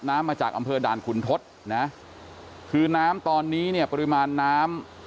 น้ำมาจากอำเภอด่านขุนทศนะคือน้ำตอนนี้เนี่ยปริมาณน้ำ